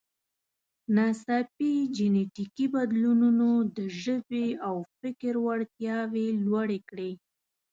ناڅاپي جینټیکي بدلونونو د ژبې او فکر وړتیاوې لوړې کړې.